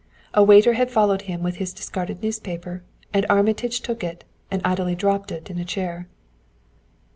A waiter had followed him with his discarded newspaper and Armitage took it and idly dropped it on a chair.